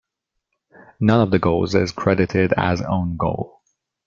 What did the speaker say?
None of the goals is credited as own goal.